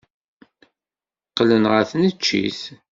Qqlen ɣer tneččit.